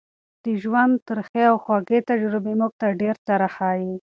د ژوند ترخې او خوږې تجربې موږ ته ډېر څه راښيي.